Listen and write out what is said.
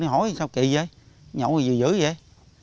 tôi đi hỏi sao kỳ vậy nhậu gì dữ vậy